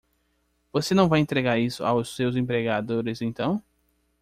Você não vai entregar isso aos seus empregadores então?